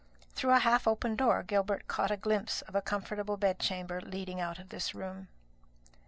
Through a half open door Gilbert caught a glimpse of a comfortable bedchamber leading out of this room.